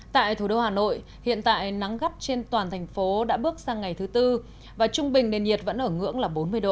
tại thủ đô hà nội hiện tại nắng gắt trên toàn thành phố đã bước sang ngày thứ tư và trung bình nền nhiệt vẫn ở ngưỡng là bốn mươi độ